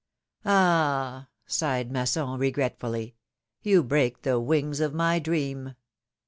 sighed Masson, regretfully, ^^you break the wings of my dream